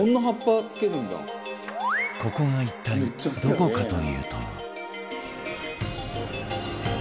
ここは一体どこかというと